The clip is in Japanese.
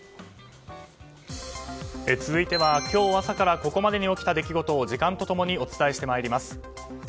続いては今日朝からここまでに起きた出来事を時間と共にお伝えしてまいります。